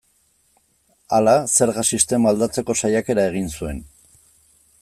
Hala, zerga sistema aldatzeko saiakera egin zuen.